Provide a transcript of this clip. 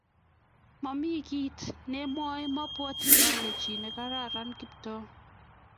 mo kiy kiit neimwoe, mobwoti ale chii nekararan Kiptoo